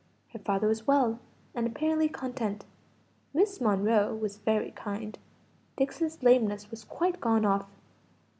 Her father was well, and apparently content. Miss Monro was very kind. Dixon's lameness was quite gone off.